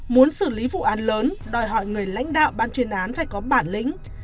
muốn xử lý vụ án lớn đòi hỏi người lãnh đạo ban chuyên án phải có bản lĩnh